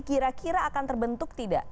kira kira akan terbentuk tidak